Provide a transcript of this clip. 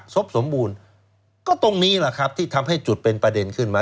บสมบูรณ์ก็ตรงนี้แหละครับที่ทำให้จุดเป็นประเด็นขึ้นมา